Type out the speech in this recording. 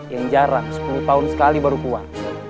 yang jarang sepuluh tahun sekali baru keluar